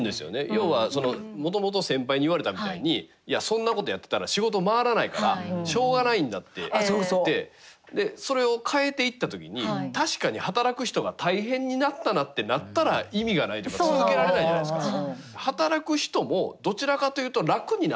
要はもともと先輩に言われたみたいにいやそんなことやってたら仕事回らないからしょうがないんだっていってでそれを変えていった時に確かに働く人が大変になったなってなったら意味がないというか続けられないじゃないですか。